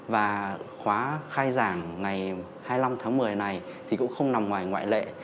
và khóa khai giảng ngày hai mươi năm tháng một mươi này thì cũng không nằm ngoài ngoại lệ